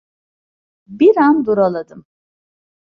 Bir an duraladım.